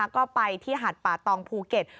ก็ไปที่หาดป่าตองภูเก็ต